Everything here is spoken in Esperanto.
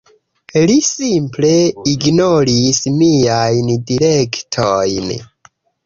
Li simple ignoris miajn direktojn.